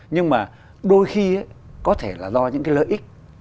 nhưng mà đôi khi ấy có thể là do những cái lợi ích